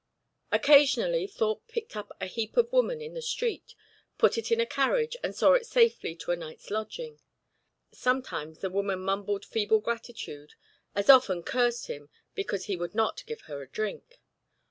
Occasionally Thorpe picked up a heap of woman in the street, put it in a carriage, and saw it safely to a night's lodging. Sometimes the woman mumbled feeble gratitude, as often cursed him because he would not give her drink.